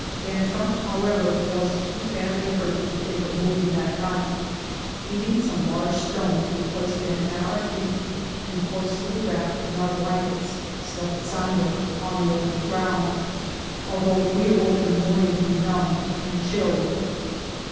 Van Trump, however, was too badly hurt to think of moving that night. Heating some large stones we placed them at our feet, and closely wrapped in our blankets slept soundly upon the open ground, although we awoke in the morning benumbed and chilled.